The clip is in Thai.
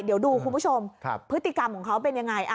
เดี๋ยวดูคุณผู้ชมพฤติกรรมของเขาเป็นยังไง